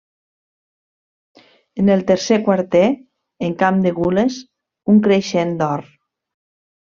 En el tercer quarter, en camp de gules, un creixent d'or.